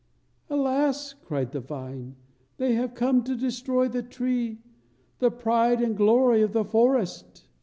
"Alas," cried the vine, "they have come to destroy the tree, the pride and glory of the forest!"